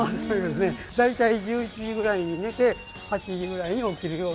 大体１１時ぐらいに寝て、８時に起きます。